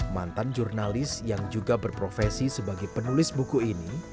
mantan jurnalis yang juga berprofesi sebagai penulis buku ini